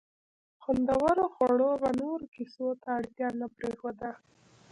خوندورو خوړو به نورو کیسو ته اړتیا نه پرېښوده.